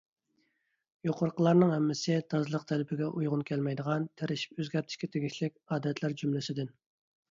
يۇقىرىقىلارنىڭ ھەممىسى تازىلىق تەلىپىگە ئۇيغۇن كەلمەيدىغان، تىرىشىپ ئۆزگەرتىشكە تېگىشلىك ئادەتلەر جۈملىسىدىن.